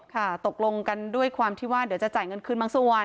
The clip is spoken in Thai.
ตกลงกันด้วยความที่ว่าเดี๋ยวจะจ่ายเงินคืนบางส่วน